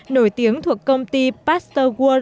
nổi tiếng thuộc công ty pasteur world